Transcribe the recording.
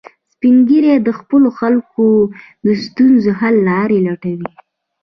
سپین ږیری د خپلو خلکو د ستونزو حل لارې لټوي